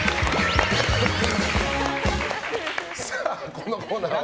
このコーナーは。